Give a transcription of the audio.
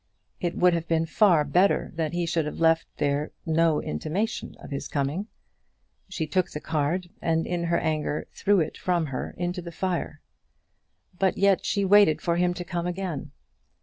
It would have been far better that he should have left there no intimation of his coming. She took the card, and in her anger threw it from her into the fire. But yet she waited for him to come again.